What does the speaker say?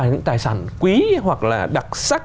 những tài sản quý hoặc là đặc sắc